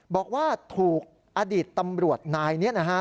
บอกว่าถูกอดีตตำรวจนายนี้นะฮะ